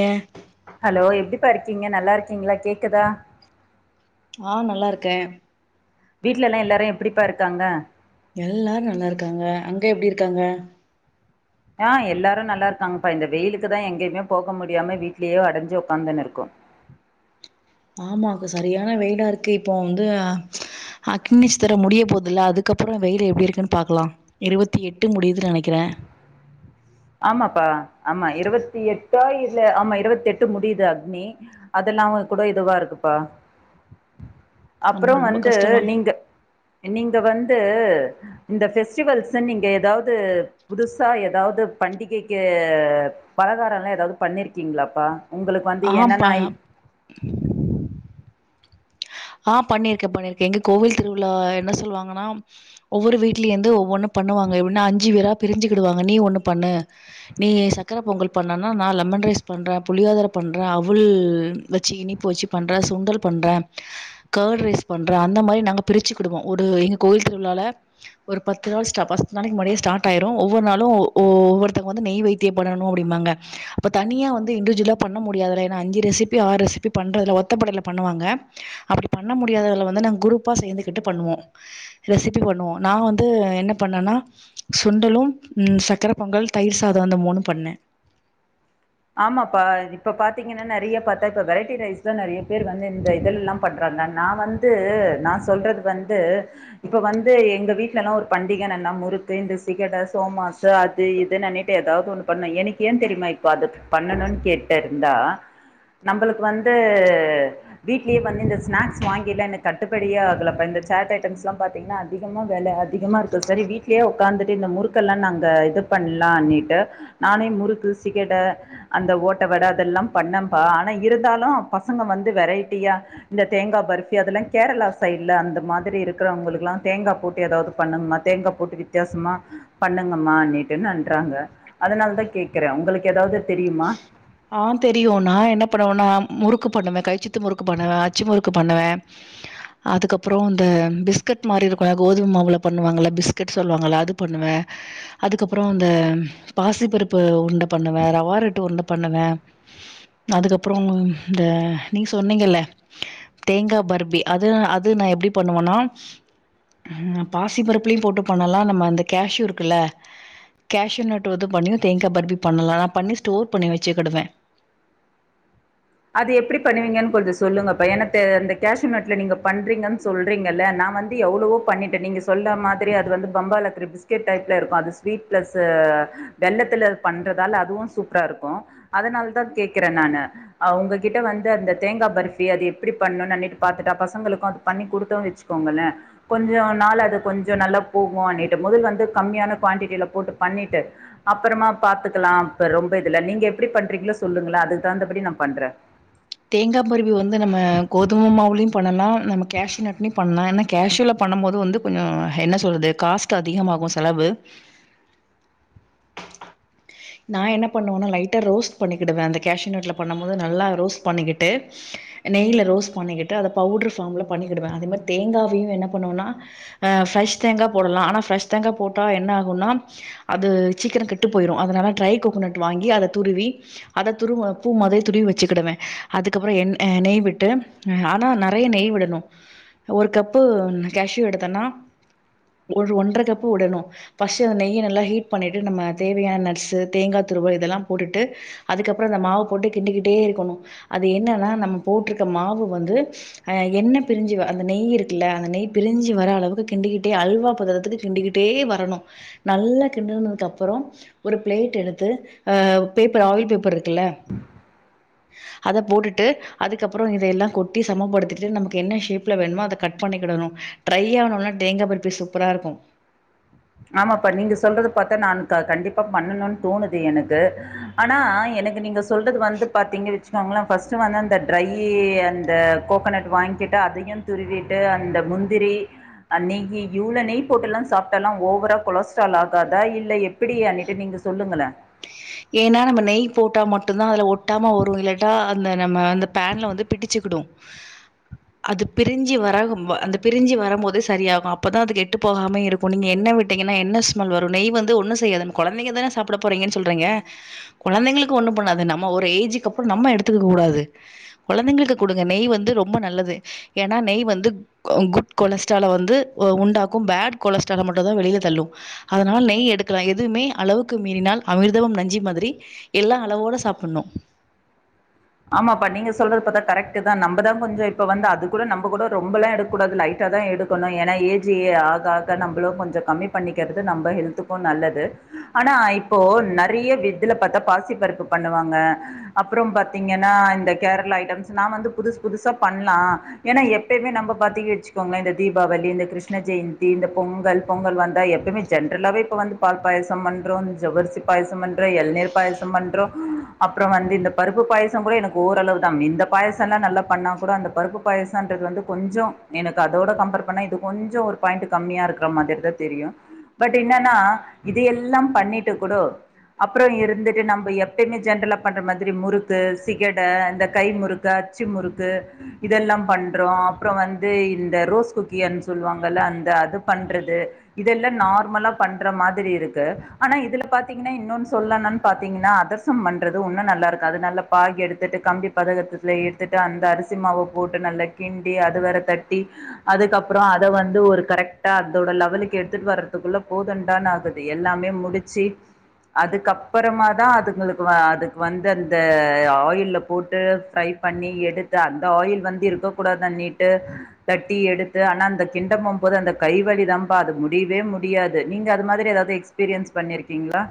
ஏ hello எப்டிப்பா இருக்கீங்க நல்லார்க்கீங்களா கேக்குதா ஆ நல்லா இருக்கே வீட்லல்லா எல்லாரு எப்டிப்பா இருக்காங்க எல்லாரு நல்லாருக்காங்க அங்க எப்டி இருக்காங்க ஆ எல்லாரு நல்லா இருக்காங்கப்பா இந்த வெயிலுக்குதா எங்கயுமே போக முடியாம வீட்லயோ அடைஞ்சு ஒட்காந்துனு இருக்கோ ஆமாக்கா சரியான வெயிலா இருக்கு இப்போ வந்து அக்கனி நட்சத்ர முடிய போதில்ல அதுக்கப்புற வெயில் எப்டி இருக்குன் பாக்கலா இருவத்தி எட்டு முடியுதுன் நெனைக்குறே ஆமாப்பா ஆமா இருவத்தி எட்டா இல்ல ஆமா இருவத்தி எட்டு முடிது அக்னி அதெல்லா கூட இதுவா இருக்குப்பா ஆமா அப்றோ ரொம்ப வந்து கஷ்டமா நீங்க நீங்க வந்து இந்த ஃபெஸ்டிவல்ஸ நீங்க எதாவது புதுசா எதாவது பண்டிகைக்கு பலகாரல்லா எதாவது பண்ணிருக்கீங்களாப்பா உங்களுக்கு வந்து ஆ என்னென்னா பா ஆ பண்ணிருக்கே பண்ணிருக்கே எங்க கோவில் திருவிழா என்ன சொல்லுவாங்கன்னா ஒவ்வொரு வீட்லே இருந்து ஒவ்வொன்னு பண்ணுவாங்க எப்புனா அஞ்சு பேரா பிரிஞ்சிகிடுவாங்க நீ ஒண்ணு பண்ணு நீ சக்கர பொங்கல் பண்ணனா நா லெமன் ரைஸ் பண்றே புளியோதர பண்றே அவுல் வச்சி இனிப்பு வச்சி பண்றே சுண்டல் பண்றே கேட் ரைஸ் பண்றே அந்த மாரி நாங்க பிரிச்சுக்கிடுவோ ஒரு எங்க கோயில் திருவிழால ஒரு பத்து நாள் ஸ்டா பத்து நாளைக்கு முன்னாடியே ஸ்டார்ட் ஆயிரு ஒவ்வொரு நாளு ஒ ஒவ்வொருத்தங்க வந்து நெய் வெய்த் திய பண்ணனு அப்டிம்பாங்க அப்ப தனியா வந்து இண்டிவிஜுவலா பண்ண முடியாதுல்ல ஏனா அஞ்சு ரெசிபி ஆறு ரெசிபி பண்றதுல்ல ஒத்தப்படைல பண்ணுவாங்க அப்டி பண்ண முடியாதால வந்து நாங்க குரூப்பா சேந்து கிட்டு பண்ணுவோ ரெசிபி பண்ணுவோ நா வந்து என்ன பண்ணேனா சுண்டலு ம் சக்கர பொங்கல் தயிர் சாத அந்த மூணு பண்ணே ஆமாப்பா இப்ப பாத்தீங்கனா நெறைய பாத்தா இப்ப வெரைட்டி ரைஸ் தா நெறைய பேர் வந்து இந்த இதெல்லாம் பண்றாங்க நா வந்து நா சொல்றது வந்து இப்ப வந்து எங்க வீட்டலலா ஒரு பண்டிகனா என்ன முறுக்கு இந்த சிகட சோமாசு அது இதுனு அனைத் த்து எதாவ்து ஒன்னு பண்ணு எனக்கு ஏ தெரியுமா இப்ப அத பண்ணனுன் கேட்டுருந்தா நம்பளுக்கு வந்து வீட்லே வந்து இந்த ஸ்நாக்ஸ் வாங்கிலா எனக்கு கட்டுப்படியே ஆகலப்பா இந்த சாட் ஐட்டம்ஸ்லா பாத் தீங்னா அதிகமா வெல அதிகமா இருக்கு செரி வீட்லே ஒக்காந்துட்டு இந்த முறுக்கெல்லா நாங்க இது பண்லானிட்டு நானே முறுக்கு சிகட அந்த ஓட்ட வட அதெல்லா பண்ணம்ப்பா ஆனா இருந்தாலு பசங்க வந்து வெரைட்டியா இந்த தேங்கா பர்ஃபி அதெல்லா கேரளா சைட்ல அந்த மாதிரி இருக்கிறவ்ங்களுக்குலா தேங்கா போட்டு எதாவ்து பண்ணனுமா தேங்கா போட்டு வித்தியாசமா பண்ணுங்கம்மானிட்டு நன்றாங்க அதனால தா கேக்குறே உங்களுக்கு எதாவ்து தெரியுமா ஆ தெரியு நா என்ன பண்ணுவனா முறுக்கு பண்ணுவே கைச்சுத்து முறுக்கு பண்ணுவே அச்சு முறுக்கு பண்ணுவே அதுக்கப்றோ இந்த பிஸ்கட் மாரி இருக்குல கோதும மாவுல பண்ணுவாங்கள பிஸ்கட் சொல்லுவாங்கள அது பண்ணுவே அதுக்கப்றோ இந்த பாசிப்பருப்பு உருண்ட பண்ணுவே ரவா ரட்டு உருண்ட பண்ணுவே அதுக்கப்றோ இந்த நீங்க சொன்னீங்கல்ல தேங்கா பர்பி அது அது நா எப்டி பண்ணுவனா ம் பாசி பருப்புலையு போட்டு பண்ணலா நம்ம அந்த கேஷு இருக்குல்ல கேஷுநட் வந்து பண்ணியு தேங்கா பர்பி பண்ணலா நா பண்ணி ஸ்டோர் பண்ணி வெச்சுக்கிடுவே அது எப்டி பண்ணுவீங்கன் கொஞ்ச சொல்லுங்கப்பா எனத்து அந்த கேஷுநட்ல நீங்க பண்றீங்கன் சொல்றீங்கல்ல நா வந் து எவ்ளவோ பண்ணிட்டே நீங்க சொல்ற மாதிரி அது வந்து பம்பாய்ல இருக்கற பிஸ்கெட் டைப்ல இருக்கு அது ஸ்வீட் பிளஸ்ஸு வெல்லத்துல பண்றதால அதுவு சூப்பரா இருக்கு அதனாலதா கேக்குறே நானு அவ்ங்ககிட்ட வந்து அந்த தேங்கா பர்ஃபி அது எப்டி பண்ணுன் அன்னிட்டு பாத்துட்டா பசங்களுக்கு அது பண்ணி குடுத்தோ வெச்சு க்கோங்கலே கொஞ்சோ நாள் அது கொஞ்ச நல்லா போகு அன்னிட்டு முதல் வந்து கம்மியான குவாண்டிட்டில போட்டு பண்ணிட்டு அப்பறமா பாத்துக்கலா இப்ப ரொம்ப இதுல்ல நீங்க எப்டி பண்றீங்ளோ சொல்லுங்களே அதுக்கு தகுந்த படி நா பண்றே தேங்கா பர்பி வந்து நம்ம கோதும மாவுலயு பண்ணலா நம்ம கேஷு நட்லயு பண்ணலா ஏனா கேஷுல பண்ணும் போது வந்து கொஞ்சோ என்ன சொல்றது காஸ்ட்டு அதிகமாகு செலவு நா என்ன பண்ணுவேனா லைட்டா ரோஸ்ட் பண்ணிக்கிடுவே அந்த கேஷூநட்ல பண்ணும் போது நல்லா ரோஸ்ட் பண்ணிக்கிட்டு நெய்ல ரோஸ்ட் பண்ணிக்கிட்டு அத பவுட்ரு ஃபார்ம்ல பண்ணிக்கிடுவே அதே மாரி தேங்காவையு என்ன பண்ணுவனா அ ஃப்ரைஷ் தேங்கா போடலா ஆனா ஃப்ரெஷ் தேங்கா போட்டா என்ன ஆகுன்னா அது சீக்கர கெட்டு போயிரு அதனால ட்ரை கோகனட் வாங்கி அத துருவி அத துருவ பூ மொதவே துருவி வெச்சுகிடுவே அதுக்கப்பற என் அ நெய் விட்டு ஆனா நெறைய நெய் விடணு ஒரு கப்பு நா கேஷூ எடுத்தன்னா ஒரு ஒன்ற கப்பு விடணு ஃபஸ்ட்டு அந்த நெய்ய நல்லா ஹீட் பண்ணிட்டு நம்ம தேவையான நட்ஸு தேங்கா துருவல் இதெல்லா போட்டுட்டு அதுக்கப்பற அந்த மாவ போட்டு கிண்டிக்கிட்டே இருக்கணு அது என்னனா நம்ம போட்ருக்க மாவு வந்து அ எண்ண பிரிஞ்சு அந்த நெய் இருக்குல்ல அந்த நெய் பிரிஞ்சி வர அளவுக்கு கிண்டிக்கிட்டே அல்வா பதத்துக்கு கிண்டிக்கிட்டே வரணு நல்லா கிண்டுனதுக்கு அப்புறோ ஒரு ப்ளேட் எடுத்து ஆ பேப்பர் ஆயில் பேப்பர் இருக்குல்ல அத‌‌ போட்டுட்டு அதுக்கப்புறோ இதையெல்லா கொட்டி சமப்படுத்திட்டு நமக்கு என்ன ஷேப்ல வேணுமோ அத கட் பண்ணிக்கிடணு ட்ரை ஆனோனா தேங்கா பர்பி சூப்பரா இருக்கு ஆமாப்பா நீங்க சொல்றது பாத்தா நான் கண்டிப்பா பண்ணணுன் தோணுது எனக்கு ஆனா எனக்கு நீங்க சொல்றது வந்து பாத்தீங்கச்சு நாங்களா ஃபஸ்ட்டு வந்து அந்த ட்ரையி அந்த கோகனட் வாங்கி கிட்டு அதையு துருவி க அந்த முந்திரி அ நெய்யி இவ்வளோ நெய் போட்டெல்லா சாப்ட்டால்லா ஓ வரா கொலஸ்ட்ரால் ஆகாதா இல்ல எப்படி அனிட்ட நீங்க சொல்லுங்கள ஏனா நம்ம நெய் போட்டா மட்டுந்தா அதுல ஒட்டாம வரு இல்லட்டா அந்த நம்ம அந்த பேன்ல வந்து பிடிச்சுக்கிடு அது பிரிஞ்சி வர அந்த பிரிஞ்சி வரும்போதுே சரியாகு அப்பதா அது கெட்டு போகாமே இருக் இப்போ நீங்க என்ன விட்டீங்கன்னா என்ன ஸ்மெல் வரு நெய் வந்து ஒன்னு செய்யாது நம்ம கொழந்தைங்க தான சாப்ட போறீங்கன் சொல்றீங்க கொழந்தைங்களுக்கு ஒண்ணு பண்ணாது நம்ம ஒரு ஏஜுக்கு அப்றோ நம்ம எடுத்துக்க கூடாது கொழந்தைங்களுக்கு குடுங்க நெய் வந்து ரொம்ப நல்லது ஏனா நெய் வந்து அ குட் கொலஸ்ட்ரால வந்து உண்டாக்கும் பேட் கொலஸ்ட்ரால மட்டு தா வெளில தள்ளு அதனால நெய் எடுக்கலா எதுவுமே அளவுக்கு மீறினால் அமிர்தமும் நஞ்சி மாதிரி எல்லா அளவோட சாப்பிட்ணு ஆமாப்பா நீங்க சொல்றது பாத்தா கரெக்ட்டு தா நம்மதா கொஞ்சோ இப்ப வந்து அது கூட நம்ம கூட ரொம்பல்லா எடுக்க கூடாது லைட்டா தா எடுக இப்ப நா ஏனா ஏஜி ஆக ஆக நம்மளு கொஞ்சோ கம்மி பண்ணிக்கிறது நம்ம ஹெல்த்துக்கு நல்லது ஆனா இப்போ நெறைய வித்துல பாத்தா பாசி பருப்பு பண்ணுவாங்க அப்புறோ பாத் பாத்தீங்கன்னா இந்த கேரளா ஐட்டம்ஸ் நா வந்து புதுசு புதுசா பண்லா ஏனா எப்பயுமே நம்ம பாத்திக்கு வச்சிக்கோங்களே இந்த தீபாவளி இந்த கிருஷ்ண ஜெயந்தி இந்த பொங்கல் பொங்கல் வந்தா எப்பமே ஜென்ரலாவே இப்ப வந்து பால் பாயசம் பண்றோ ஜவ்வரிசி பாயசம் பண்றோ எளநீர் பாயசம் பண்றோம் அப்புறோ வந்து இந்த பருப்பு பாய தா கூட எனக்கு ஓரளவு தா இந்த பாயசல்லா நல்லா பண்ணா கூட அந்த பருப்பு பாயாசோன்றது வந்து கொஞ்சோ எனக்கு அதோட கம்பர் பண்ணா இது கொஞ்சோ ஒரு பாயீண்ட்டு கம்மியா இருக்குற மாதிரி தா தெரியு பட் என்னன்னா இது எல்லா பண்ணிட்டு கூடோ அப்புறோ இருந்துட்டு நம்ம எப்பயுமே ஜென்ரலா பண்ற மாதிரி முறுக் க்கு சிகட இந்த கை முறுக்கு அச்சு முறுக்கு இதெல்லா பண்ற அப்புறோ வந்து இந்த ரோஸ் குக்கின் சொல்லுவாங்கல்ல அந்த அது பண்றது இதெல்லா நார்மலா பண்ற மாதிரி இருக்கு ஆனா இதுல பாத்தீங்கன்னா இன்னொன்னு சொல்லனனு பாத்தீங்கன்னா அதர்சம் பண்றது ஒன்னு நல்லாருக்காது நல்ல பாகு எடுத்துட்டு கம்பி பதகுகத்தில எடுத்துட்டு அந்த அரிசி மாவ போட்டு நல்லா கிண்டி அது வேற தட்டி அதுக்கப்புறமோ அத வந்து ஒரு கரெக்ட்டா லெவலுக்கு எடுத்துட்டு வர்றதுக்குள்ள போதுண்டான் ஆகுது எல்லாமே முடிச்சி அதுக்கப்புறமா தா அதுங்களுக்கு அதுக்கு வந்து அந்த அ ஆயில்ல போட்டு ஃப்ரை பண்ணி எடுத்து அந்த ஆயில் வந்து இருக்க கூடாதுண்ணிட்டு தட்டி எடுத்து ஆனா அந்த கிண்ட போம் போது அந்த கைவலி தாம்பா அது முடிவே முடியாது நீங்க அது மாதிரி ஏதாவது எக்ஸ் எக்ஸ்பீரியன்ஸ் பண்ணிருக்கீங்ளா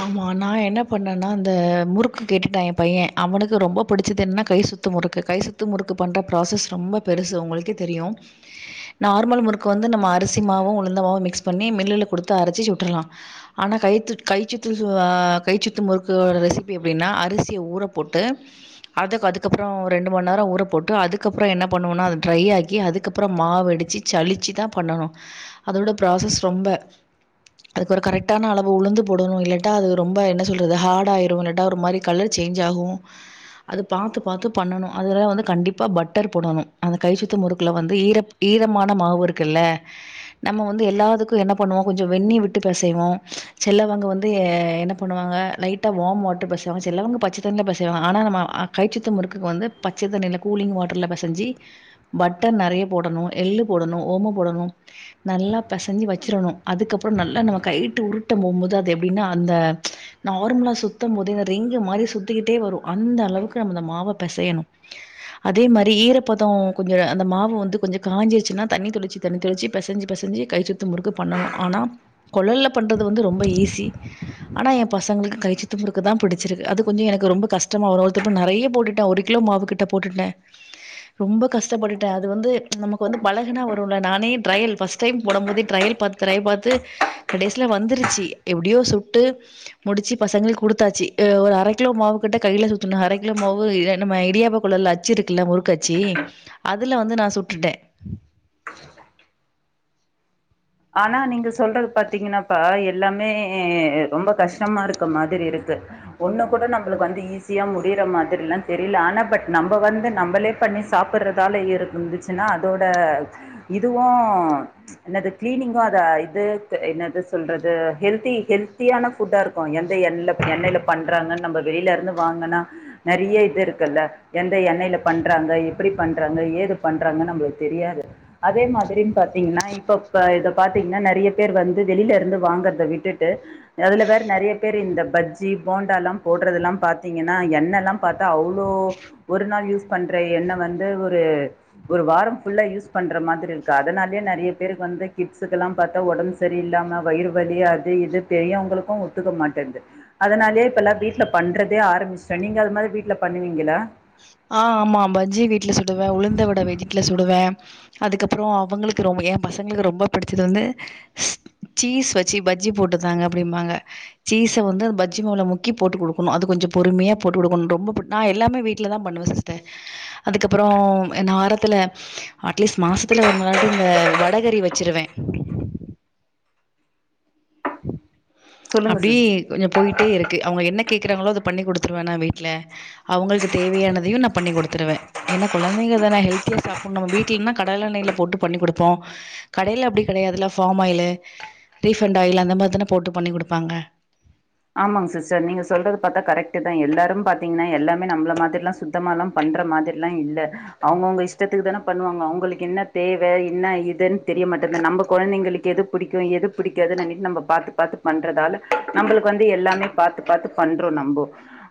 ஆமா நா என்ன பண்ணன்னா இந்த முறுக்கு கேட்டுட்டா எ பைய அவனுக்கு ரொம்ப புடிச்சது என்ன்னா கை சுத் சுத்து முறுக்கு கைசுத்து முறுக்கு பண்ற ப்ராசஸ் ரொம்ப பெருசு உங்களுக்கே தெரியு நார்மல் முறுக்கு வந்து நம்ம அரிசமாவு உளுந்தமாவு மிக்ஸ் பண்ணி மில்லுல குடுத்து அரச்சி சுட்டுர்லா ஆனா கைத்துட் கை சுத்து சு கை சுத்து முறுக்கோட ரெசிபி எப்டின்னா அரிசிய ஊற போட்டு அத அதுக்கப்றோ ரெண்டு மண் நேரோ ஊற போட்டு அதுக்கப்பறோ என்ன பன்னுவோனா அத ட்ரை ஆக்கி அதுக்கப்றோ மாவடிச்சு சளிச்சு தா பன்னனு அதோட ப்ராசஸ் ரொம்ப அதுக்கொரு கரெக்டான அளவு உளுந்து போடுனு இல்லட்டா அது ரொம்ப என்ன சொல்றது ஹார்டா ஆயிரு இல்லட்டா ஒரு மாரி கலர் சேஞ்சாகு அது பாத்து பாத்து பண்ணனூ அதல்லா வந்து கண்டிப்பா பட்டர் போடனு அந்த கை சுத்து முறுக்குல வந்து ஈரப் ஈரமான மாவு இருக்குல்ல நம்ம வந்து எல்லா இதுக்கு என்ன பண்ணுவோ கொஞ்ச வெந்நி விட்டு பெசைவோ சிலவங்க வந்து என்ன பண்ணுவாங்க லைட்டா வார்ம் வாட்டர் பெசைவாங்க சிலவங்க பச்சதண்ணில பெசைவாங்க ஆனா நம்ம கைச்சுத்த முறுக்கு வந்து பச்ச தண்ணில கூலிங் வாட்டர்ல பெசஞ்சி பட்டர் நெறைய போடனு எள்ளு போடனு ஓம போடனு நல்லா பெசஞ்சி வச்சிடனு அதுக்கப்றோ நல்லா நம்ம கைட்டு உரு ட்ட மும்பொது அது எப்டினா அந்த நார்மலா சுத்தபோதே இந்த ரிங்க மாரி சுத்திக்கிட்டே வரு அந்த அளவுக்கு நம்ம மாவ பெசையனு அதே மாரி ஈரப்பத கொஞ்ச அந்த மாவு வந்து கொஞ்ச காஞ்சிருச்சுன்னா தண்ணி தொளிச்சு தண்ணி தெளிச்சி பெசஞ்சி பெசஞ்சி கை சுத்து முறுக்கு பண்ணனு ஆனா கொழல்ல பன்றது வந்து ரொம்ப ஈஸி ஆனா ஏ பசங்களுக்கு கைச்சுத்து முறுக்கு தா பிடிச்சிருக்கு அது கொஞ்ச எனக்கு ரொம்ப கஷ்டமாவுரு ஒருதுப்பு நெறைய போட்டுட்ட ஒரு கி லோ மாவு கிட்ட போட்டுட்ட ரொம்ப கஷ்டப்பட்டுட்டே அது வந்து நமக்கு வந்து பழகுனா வருன்ல நானே ட்ரையல் ஃபஸ்ட் டைம் போடபோதே ட்ரையல் பாத்து ட்ரையல் பாத்து கடைசில வந்துருச்சு எப்டியோ சுட்டு முடிச்சி பசங்களுக்கு குடுத்தாச்சு ஒரு அர கிலோ மாவு கிட்ட கையில சுத்துன அர கிலோ மாவு நம்ம இடியாப்ப கொழல்ல அ ச்சி இருக்குல்ல முறுக்கட்சி அதுல வந்து நா சுட்டுட்டே [inaudible] ஆனா நீங்க சொல்றது பாத்தீங்கன்னாப்பா எல்லாமே ரொம்ப கஷ்டமா இருக்க மாதிரி இருக்கு ஒன்ன கூட நம்பளுக்கு வந்து ஈஸியா முடியிற மாதிரில்லா தெரில ஆனா பட் நம்ப வந்து நம்பளே பன்னி சாப்புடுறதால இருந் இருந்துச்சுன்னா அதோட இதுவு என்னது கிளீனிங்கு அத இது என்னது சொல்றது ஹெல்தி ஹெல்த்தியான ஃபுட்டா இரு க்கு எந்த எண்ண எண்ணெல பண்றாங்கன்னு நம்ப வெளில இருந்து வாங்குனா நெறைய இது இருக்குல்ல எந்த எண்ணெல பண்றாங்க எப்டி பண்றாங்க ஏது பண்றாங்கன்னு நம்பளுக்கு தெரியாது அதே மாதிரினு பாத்தீங்ன்னா இப்ப இப்ப இத பாத்தீங்ன்னா நெறைய பேர் வந்து வெளில இருந்து வாங்குறத விட்டுட்டு அதுல வேற நெறைய பேரு இந்த பஜ்ஜி போண்டால்லா போடுறதுல்லா பாத்தீங்ன்னா எண்ணெல்லா பாத்தா அவ்ளோ ஒரு நாள் யூஸ் பண்ற எண்ணெ வந்து ஒரு ஒரு வாரம் ஃபுல்லா யூஸ் பண்ற மாதிரி இருக்கு அதனாலே நெறைய பேருக் கு வந்து கிட்ஸுக்குலா பாத்தா ஒடம்பு சரி இல்லாம வயிறு வலி அது இது பெரியவங்களுக்கு ஒத்துக்க மாட்டேது அதனாலயே இப்ப எல்லா வீட்ல பண்றதே ஆரம்பிச்ட்டே நீங்க அது மாதிரி வீட்ல பண்ணுவீங்களா ஆ ஆமா பஜ்ஜி வீட்ல சுடுவே உளுந்த வட வீட்ல சுடுவே அதுக்கப்பறோ அவுங்களுக்கு ரொம்ப ஏ பசங்களுக்கு ரொம்ப பிடிச்சது வந்து சீஸ் வச்சு பஜ்ஜி போட்டுதாங்க அப்டிம்பாங்க சீஸ்ஸ வந்து பஜ்ஜி மாவுல முக்கி போட்டு குடுக்கனு அது கொஞ்ச பொறுமையா போட்டு குடுக்கனு ரொம்ப போட் நா எல்லாமே வீட் லதா பண்ணுவ சிஸ்டர் அதுக்கப்பறோ எ நாரத்துல அட்லீஸ்ட் மாசத்துல ஒரு நாளாட்டு இந்த வடகறி வச்சிருவே சொல்லுங்க அப்டி சிஸ் கொஞ்ச போயிட்டே இருக்கு அவுங்க என்ன கேக்குறாங்ளோ அத பண்ணி குடுத்துருவனா வீட்ல அவுங்களுக்கு தேவையானதையு நா பண்ணி் குடுத்துருவே ஏன்னா கொழந்தைங்க தானே ஹெல்தியா சாப்ட்ணு நம்ம வீட்லனா கடலெண்ணெல போட்டு பண்ணி குடுப்போ கடைல அப்டி கெடையாதுல பார்ம் ஆயிலு ரீபண்ட் ஆயில் அந்த மாரி தான போட்டு பண்ணி குடுப்பாங்க ஆமாங்க சிஸ்டர் நீங்க சொல்றது பாத்தா கரெக்ட் தா எல்லாரும் பாத்தீங்கன்னா எல்லாமே நம்மள மாதிரில்லாம் சுத் சுத்தமால்லா பண்ற மாதிரில்லா இல்ல அவங்கவுங்க இஷ்டத்துக்கு தான பண்ணுவாங்க அவங்களுக்கு என்ன தேவை என்ன இதுன்னு தெரியமாட்டேங்குது நம்ம கொழந்தைங்களுக்கு எது எது பிடிக்கு எது பிடிக்காது நம்ம பாத்து பாத்து பண்றதால நம்மளுக்கு இப்ப வந்து எல்லாமே பாத்து பாத்து பண்றோ நம்மோ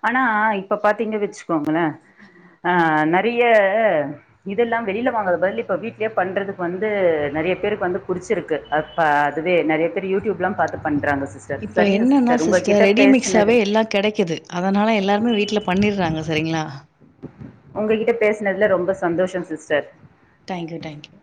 ஆனா இப்ப பாத்தீங்க வச்சுக்கோங்களே ஆ நெறைய இதெல்லா வெளியில வாங்கறது பதில் இப்ப வீட்லயே பண்றதுக்கு வந்து நிறைய பேருக்கு வந்து புடிச்சிருக்கு அப்போ அதுவே நிறைய பேர் யூடியூப்லா பாத்து பண்றாங்க சிஸ்டர் சரிங்க சிஸ் ஆனா சிஸ்டர் ரெடிமிக்ஸாவே எல்லா கெடைக்குது அதனால எல்லாருமே வீட்ல பண்ணிறாங்க சரிங்களா உங்ககிட்ட பேசுனதுல ரொம்ப சந்தோஷோ சிஸ்டர் டேங்க்யூ டே ங்க்யூ